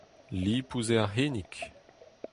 Lipous eo ar c'hinnig.